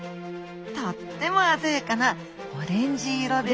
とっても鮮やかなオレンジ色です